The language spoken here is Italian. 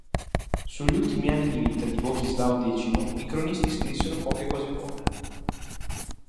Sugli ultimi anni di vita di Boghislao X i cronisti scrissero poche cose buone.